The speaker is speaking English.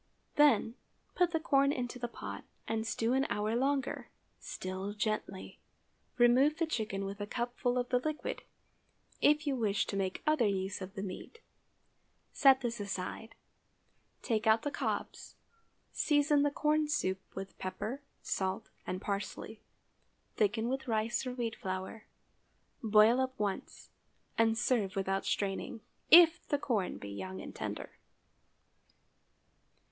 Then, put the corn into the pot, and stew an hour longer—still gently. Remove the chicken with a cupful of the liquid, if you wish to make other use of the meat. Set this aside, take out the cobs, season the corn soup with pepper, salt, and parsley; thicken with rice or wheat flour, boil up once, and serve without straining, if the corn be young and tender.